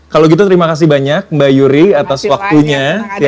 kalau gitu terima kasih banyak mbak yuri atas waktunya